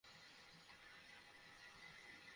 ভিরেন, কথা বল।